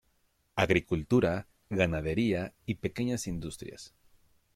Agricultura, ganadería y pequeñas industrias.